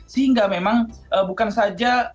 sehingga memang bukan saja